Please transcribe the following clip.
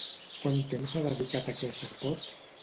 Quant temps s'ha dedicat a aquest esport?